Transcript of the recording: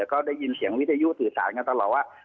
แล้วก็ได้ยินเสียงวิทยุสื่อสารกันตลอดว่า